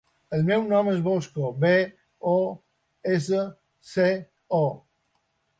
El meu nom és Bosco: be, o, essa, ce, o.